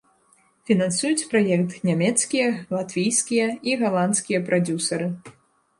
Фінансуюць праект нямецкія, латвійскія і галандскія прадзюсары.